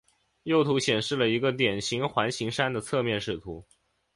右图显示了一个典型环形山的侧面视图。